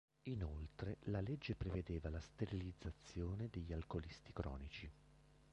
Inoltre la legge prevedeva la sterilizzazione degli alcolisti cronici.